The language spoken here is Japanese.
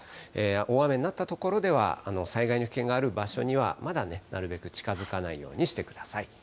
大雨になった所では災害の危険がある場所には、まだね、なるべく近づかないようにしてください。